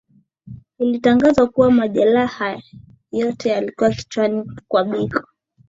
Ilitangazwa kuwa majelaha yote yaliyokuwa kichwani kwa Biko